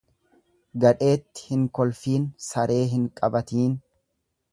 Gadheetti hin kolfiin saree hin baqatiin.